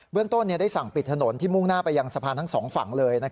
เรื่องต้นได้สั่งปิดถนนที่มุ่งหน้าไปยังสะพานทั้งสองฝั่งเลย